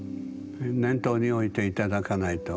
念頭に置いて頂かないと。